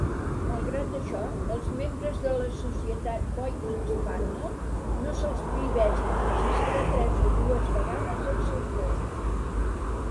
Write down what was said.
Malgrat això, els membres de la Societat Boykin Spaniel no se'ls prohibeix registrar tres o dues vegades als seus gossos.